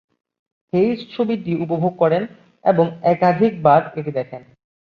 হেইজ ছবিটি উপভোগ করেন এবং একাধিকবার এটি দেখেন।